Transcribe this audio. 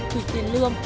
thủy tiên lương